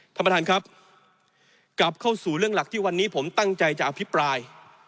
ท่านประธานครับกลับเข้าสู่เรื่องหลักที่วันนี้ผมตั้งใจจะอภิปราย